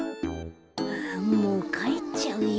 もうかえっちゃうよ。